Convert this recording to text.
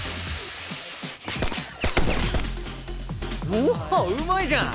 「」おっうまいじゃん！